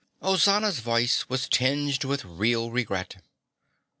Ozana's voice was tinged with real regret.